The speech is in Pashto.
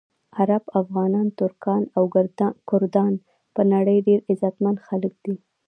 عرب، افغانان، ترکان او کردان په نړۍ ډېر غیرتمند خلک دي.